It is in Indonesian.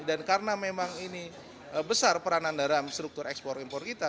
dan karena memang ini besar peranan dalam struktur ekspor impor kita